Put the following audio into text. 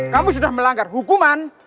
kamu sudah melanggar hukuman